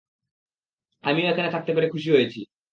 আমিও এখানে থাকতে পেরে খুশি হয়েছি।